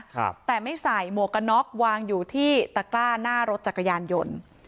ครับแต่ไม่ใส่หมวกกันน็อกวางอยู่ที่ตะกร้าหน้ารถจักรยานยนต์